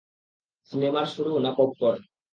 সিনেমার শুরু না পপকর্ন?